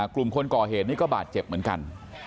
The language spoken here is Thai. กลุ่มคนก่อเหตุนี้ก็บาดเจ็บเหมือนกัน